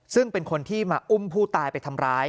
ซึ่งเป็นคนที่มาอุ้มผู้ตายไปทำร้าย